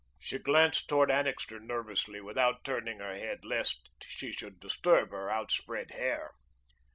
She glanced toward Annixter nervously, without turning her head, lest she should disturb her outspread hair.